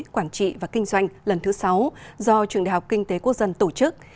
quản trị và kinh doanh lần thứ sáu do trường đại học kinh tế quốc dân tổ chức